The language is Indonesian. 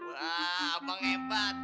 wah abang hebat